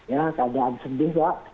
ya keadaan sedih pak